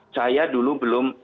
saya dulu belum